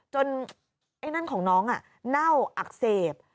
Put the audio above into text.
ไอ้นั่นของน้องเน่าอักเสบ